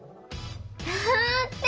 だって！